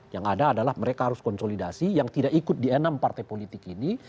yang ada adalah mereka harus konsolidasi yang tidak ikut di enam partai politik ini